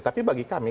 tapi bagi kami